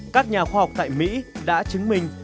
các nhà khoa học tại mỹ đã chứng minh